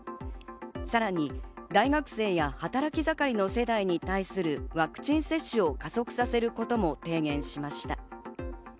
さらに大学生や働き盛りの世代に対するワクチン接種を加速させることも提言しました。